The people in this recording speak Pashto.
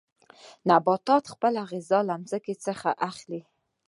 نباتات خپله غذا له ځمکې څخه اخلي.